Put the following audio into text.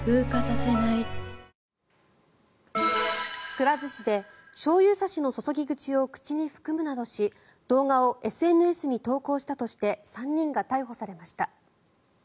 くら寿司でしょうゆ差しの注ぎ口を口に含むなどし動画をＳＮＳに投稿したとして３人が逮捕されました。